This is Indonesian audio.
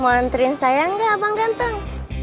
mau anterin saya gak abang ganteng